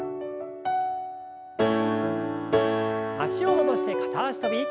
脚を戻して片脚跳び。